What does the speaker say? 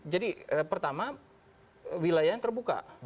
jadi pertama wilayahnya terbuka